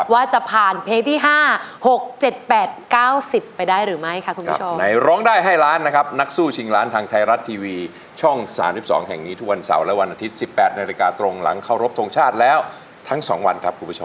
วันเสาระวันอาทิตย์๑๘นาฬิกาตรงหลังเข้ารบทรงชาติแล้วทั้ง๒วันครับคุณผู้ชม